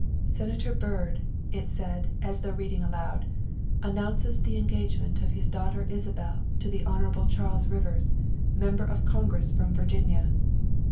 " Senator Byrd," it said, as though reading aloud, " announces the engagement of his daughter Isabel to the Hon. Charles Rivers, Member of Congress from Virginia.